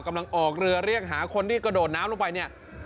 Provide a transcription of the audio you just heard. กำลังออกเรือเรียกหาคนที่กระโดดน้ำลงไปเนี่ย